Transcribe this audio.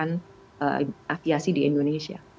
ini harus kita lakukan untuk penataan aviasi di indonesia